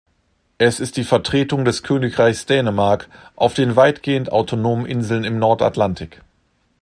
Es ist die Vertretung des Königreichs Dänemark auf den weitgehend autonomen Inseln im Nordatlantik.